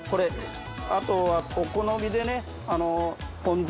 あとはお好みでポン酢。